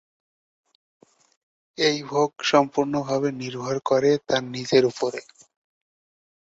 এই ভোগ সম্পূর্ণভাবে নির্ভর করে তার নিজের উপরে।